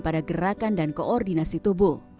pada gerakan dan koordinasi tubuh